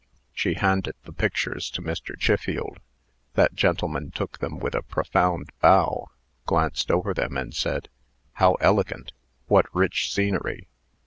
She handed the pictures to Mr. Chiffield. That gentleman took them with a profound bow, glanced over them, and said, "How elegant!" "What rich scenery!"